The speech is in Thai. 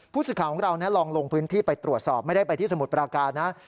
ผู้สื่อข่าวของเราลองลงพื้นที่ไปตรวจสอบไม่ได้ไปที่สมุทรปราการนะ